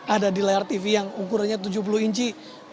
ada di layar tv yang ukurannya tujuh puluh inci